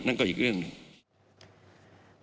นั่นก็อีกเรื่องหนึ่ง